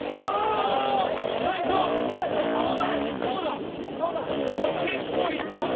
あっ結構いった！